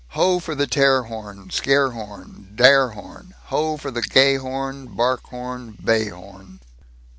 Ho for the tear horn, scare horn, dare horn, Ho for the gay horn, bark horn, bay horn.